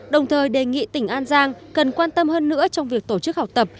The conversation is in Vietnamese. đồng thời đề nghị tỉnh an giang cần quan tâm hơn nữa trong việc tổ chức học tập